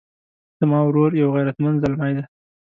زما ورور یو غیرتمند زلمی ده